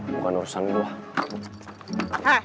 bukan urusan gue